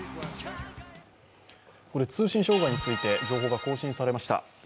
通信障害について情報が更新されました。